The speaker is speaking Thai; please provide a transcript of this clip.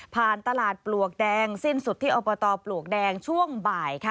ตลาดปลวกแดงสิ้นสุดที่อบตปลวกแดงช่วงบ่ายค่ะ